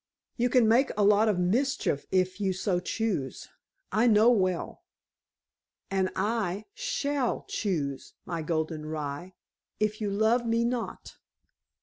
You can make a lot of mischief if you so choose, I know well." "And I shall choose, my golden rye, if you love me not."